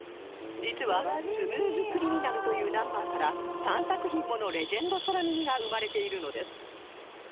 実は『ＳＭＯＯＴＨＣＲＩＭＩＮＡＬ』というナンバーから３作品ものレジェンド空耳が生まれているのです